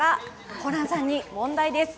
ホランさんに問題です。